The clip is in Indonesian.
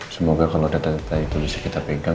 semoga kalau data data itu bisa kita pegang